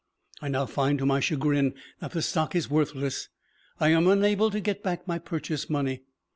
I now find to my chagrin that the stock is worthless. I am unable to get back my purchase money.